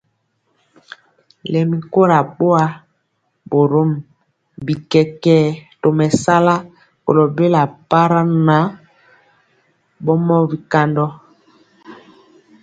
Lɛmi kora boa, borom bi kɛkɛɛ tomesala kolo bela para nan bɔnɛɛ bikandɔ.